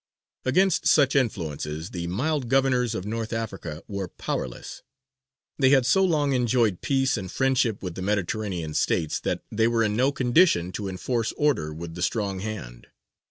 Against such influences the mild governors of North Africa were powerless. They had so long enjoyed peace and friendship with the Mediterranean States, that they were in no condition to enforce order with the strong hand.